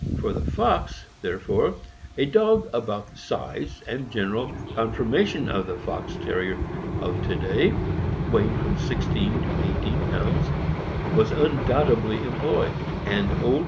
For the fox, therefore, a dog of about the size and general conformation of the Fox Terrier of to day, weighing from sixteen to eighteen pounds, was undoubtedly employed; and old THE SMOOTH COATED FOX TERRIER.